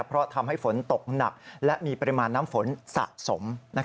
เพราะทำให้ฝนตกหนักและมีปริมาณน้ำฝนสะสม